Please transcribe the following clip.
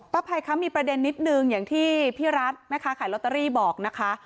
ภัยคะมีประเด็นนิดนึงอย่างที่พี่รัฐแม่ค้าขายลอตเตอรี่บอกนะคะ